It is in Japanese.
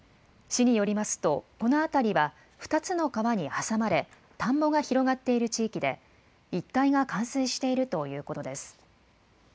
市によりますと、この辺りは２つの川に挟まれ、田んぼが広がっている地域で、一帯が冠水しているということです。